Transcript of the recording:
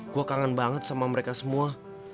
gue kangen banget sama mereka semua